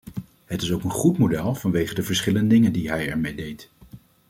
Het is ook een goed model vanwege de verschillende dingen die hij ermee deed.